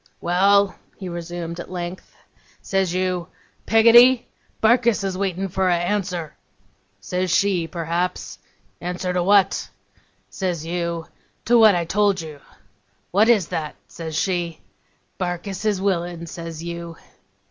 'Well!' he resumed at length. 'Says you, "Peggotty! Barkis is waitin' for a answer." Says she, perhaps, "Answer to what?" Says you, "To what I told you." "What is that?" says she. "Barkis is willin'," says you.